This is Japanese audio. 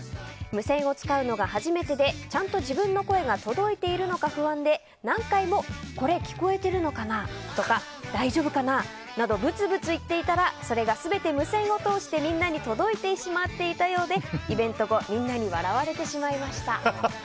無線を使うのが初めてでちゃんと自分の声が届いているのか不安で何回もこれ、聞こえてるのかな？とか大丈夫かななどぶつぶつ言っていたらそれが全て無線を通してみんなに届いてしまっていたようでイベント後みんなに笑われてしまいました。